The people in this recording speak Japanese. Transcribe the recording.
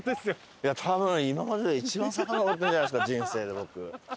多分今までで一番坂上ってるんじゃないですか人生で僕。